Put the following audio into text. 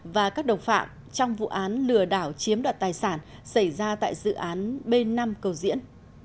và các đồng phạm trong vụ án lừa đảo chiếm đoạt tài sản xảy ra tại dự án b năm cầu diễn